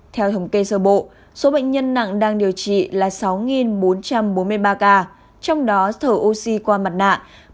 theo thống kê sơ bộ số bệnh nhân nặng đang điều trị là sáu bốn trăm bốn mươi ba ca trong đó thở oxy qua mặt nạ bốn một trăm bốn mươi năm